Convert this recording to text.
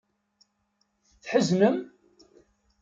Tḥeznem?